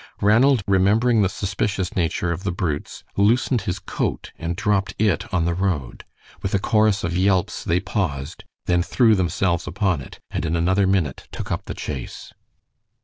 Ranald, remembering the suspicious nature of the brutes, loosened his coat and dropped it on the road; with a chorus of yelps they paused, then threw themselves upon it, and in another minute took up the chase.